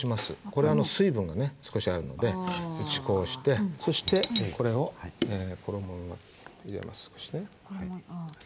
これは水分がね少しあるので打ち粉をしてそしてこれを衣を入れます少しね。